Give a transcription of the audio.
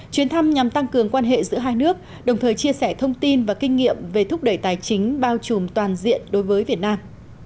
chuyến thăm nhằm tăng cường quan hệ giữa hai nước đồng thời chia sẻ thông tin và kinh nghiệm về thúc đẩy tài chính bao trùm toàn diện đối với việt nam